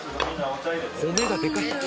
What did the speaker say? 米がでかい。